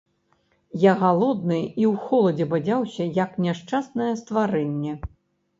Я галодны і ў холадзе бадзяўся, як няшчаснае стварэнне.